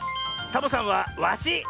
サボさんはワシ！